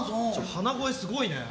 鼻声、すごいね。